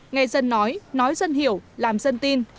nghe dân nói nói dân hiểu làm dân tin